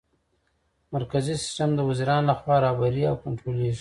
مرکزي سیسټم د وزیرانو لخوا رهبري او کنټرولیږي.